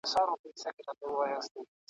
زموږ له کورونو سره نژدې ,